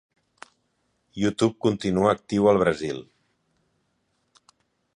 YouTube continua actiu al Brasil.